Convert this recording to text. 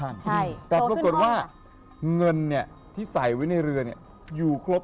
ใช่โจรขึ้นห้องค่ะอเจมส์คือโครกรุดว่าเงินเนี่ยที่ใส่ไว้ในเรืออยู่ครบ